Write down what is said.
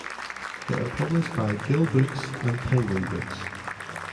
They are published by Gill Books and Penguin Books.